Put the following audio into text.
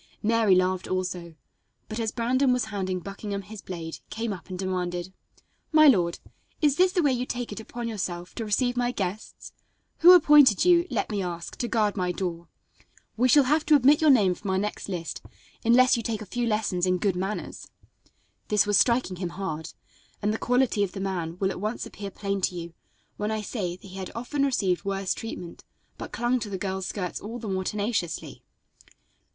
Mary laughed also, but, as Brandon was handing Buckingham his blade, came up and demanded: "My lord, is this the way you take it upon yourself to receive my guests? Who appointed you, let me ask, to guard my door? We shall have to omit your name from our next list, unless you take a few lessons in good manners." This was striking him hard, and the quality of the man will at once appear plain to you when I say that he had often received worse treatment, but clung to the girl's skirts all the more tenaciously.